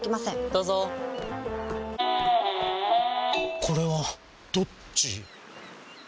どうぞこれはどっち？